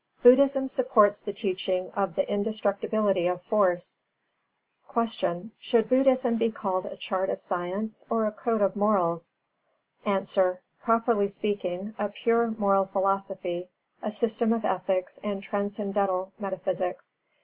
Buddhism supports the teaching of the indestructibility of force. 331. Q. Should Buddhism be called a chart of science or a code of morals? A. Properly speaking, a pure moral philosophy, a system of ethics and transcendental metaphysics.